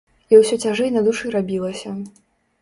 І ўсё цяжэй на душы рабілася.